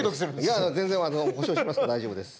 いや全然保証しますから大丈夫です。